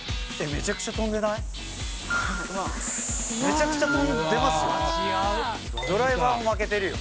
めちゃくちゃ飛んでますよ。